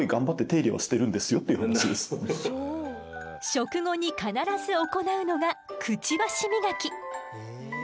食後に必ず行うのがクチバシ磨き。